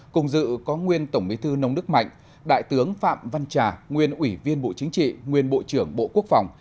cùng dự có nguyên tổng bí thư nông đức mạnh đại tướng phạm văn trà nguyên ủy viên bộ chính trị nguyên bộ trưởng bộ quốc phòng